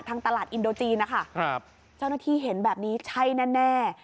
ตลาดอินโดจีนนะคะครับเจ้าหน้าที่เห็นแบบนี้ใช่แน่